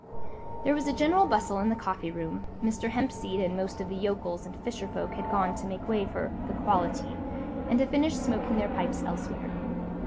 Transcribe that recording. There was general bustle in the coffee room: Mr. Hempseed and most of the yokels and fisher folk had gone to make way for "the quality," and to finish smoking their pipes elsewhere.